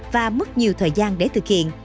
và mất nhiều thời gian để thực hiện